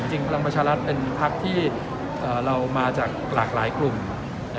จริงจริงพลังประชารัฐเป็นพักที่เอ่อเรามาจากหลากหลายกลุ่มนะครับ